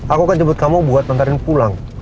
aku kan jemput kamu buat manggarin pulang